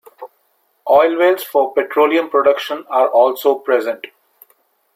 Oil wells for petroleum production are also present.